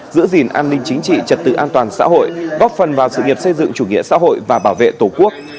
giữ gìn an ninh chính trị trật tự an toàn xã hội góp phần vào sự nghiệp xây dựng chủ nghĩa xã hội và bảo vệ tổ quốc